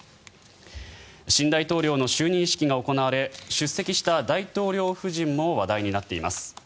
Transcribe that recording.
新大統領の就任式が行われ出席した大統領夫人も話題になっています。